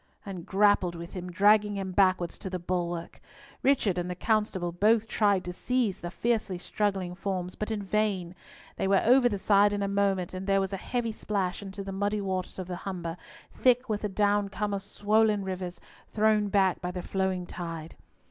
and grappled with him, dragging him backwards to the bulwark. Richard and the constable both tried to seize the fiercely struggling forms, but in vain. They were over the side in a moment, and there was a heavy splash into the muddy waters of the Humber, thick with the downcome of swollen rivers, thrown back by the flowing tide.